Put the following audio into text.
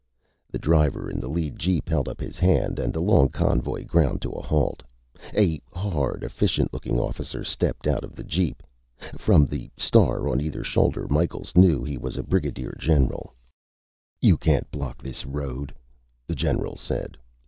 The driver in the lead jeep held up his hand, and the long convoy ground to a halt. A hard, efficient looking officer stepped out of the jeep. From the star on either shoulder, Micheals knew he was a brigadier general. "You can't block this road," the general said.